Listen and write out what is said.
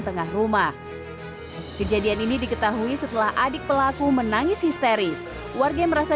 tengah rumah kejadian ini diketahui setelah adik pelaku menangis histeris warga yang merasa